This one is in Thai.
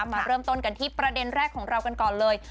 มาเริ่มต้นกันที่ประเด็นแรกของเรากันก่อนเลย